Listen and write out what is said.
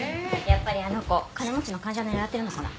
やっぱりあの子金持ちの患者狙ってるのかな？